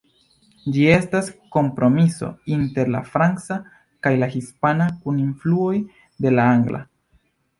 Ĝi estas kompromiso inter la franca kaj la hispana kun influoj de la angla.